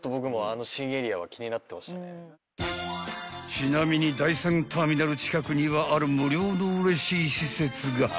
［ちなみに第３ターミナル近くにはある無料のうれしい施設が］